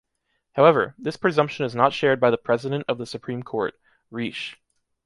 However, this presumption is not shared by the President of the Supreme Court, Riches.